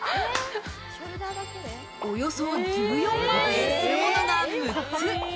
およそ１４万円するものが６つ。